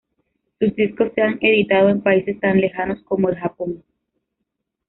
Sus discos se han editado en países tan lejanos como el Japón.